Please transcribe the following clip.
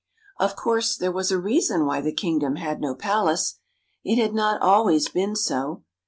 Of course there was a reason why the kingdom had no palace. It had not always been so.